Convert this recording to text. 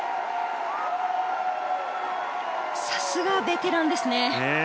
さすがベテランですね。